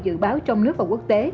dự báo trong nước và quốc tế